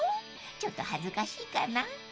［ちょっと恥ずかしいかな？］